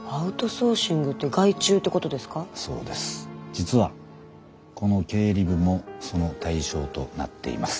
実はこの経理部もその対象となっています。